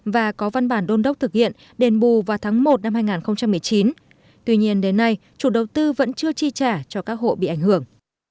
và có văn bản đôn đốc thực hiện đền bù vào tháng một năm hai nghìn một mươi chín tuy nhiên đến nay chủ đầu tư vẫn chưa chi trả cho các hộ bị ảnh hưởng